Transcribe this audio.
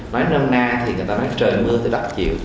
nói năm nay thì người ta nói trời mưa tới đắp chiều